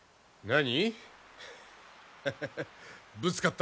何！？